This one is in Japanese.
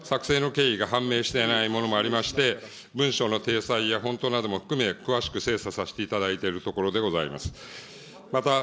作成の経緯が判明していないものもありまして、文書の体裁やフォントなども含め、詳しく精査させていただいているところでございます。